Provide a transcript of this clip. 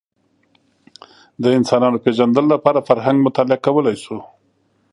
د انسانانو پېژندلو لپاره فرهنګ مطالعه کولی شو